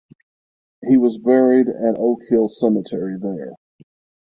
He was buried at Oak Hill Cemetery there.